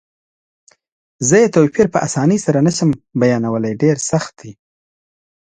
زه یې توپیر په اسانۍ سره نه شم بیانولای، ډېر سخت دی.